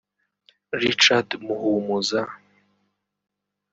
Richard Muhumuza